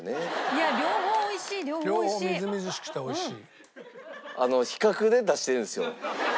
両方みずみずしくて美味しい。